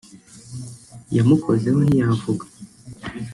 yamukozeho ntiyavuga